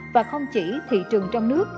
và không chỉ thị trường trong nước